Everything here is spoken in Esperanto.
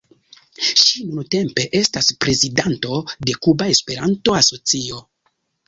Ŝi nuntempe estas prezidanto de Kuba Esperanto-Asocio.